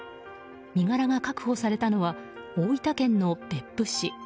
身柄が確保されたのは大分県の別府市。